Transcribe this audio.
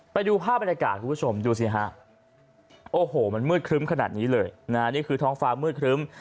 ไปดูภาพบรรยากาศคุณผู้ชมดูสิฮะโอ้โหมันมืดครึ้มขนาดนี้เลยนะนี่คือท้องฟ้ามืดครึ้ม